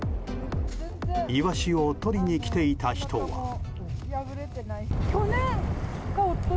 イワシをとりに来ていた人は。